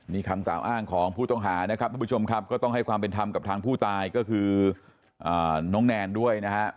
นี่คำกล่าวอ้างของผู้ต้องหานะครับทุกผู้ชมครับก็ต้องให้ความเป็นธรรมกับทางผู้ตายก็คือน้องแนนด้วยนะฮะ